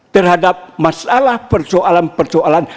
terhadap masalah persoalan persoalan